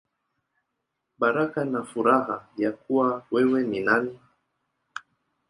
Baraka na Furaha Ya Kuwa Wewe Ni Nani.